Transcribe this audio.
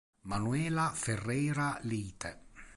Manuela Ferreira Leite